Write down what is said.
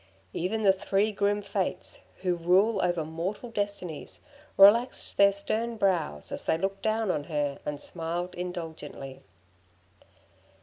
Even the three grim Fates, who rule over mortal destinies, relaxed their stern brows as they looked down on her, and smiled indulgently.